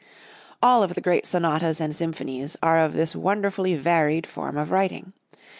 All of the great sonatas and symphonies are of this wonderfully varied form of writing.